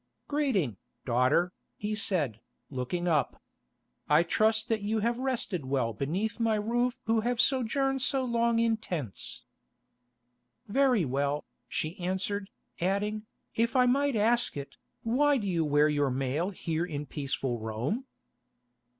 "Greeting, daughter," he said, looking up. "I trust that you have rested well beneath my roof who have sojourned so long in tents." "Very well," she answered, adding, "If I might ask it, why do you wear your mail here in peaceful Rome?"